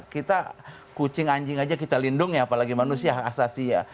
kita kucing anjing saja kita lindungi apalagi manusia hak asasi ya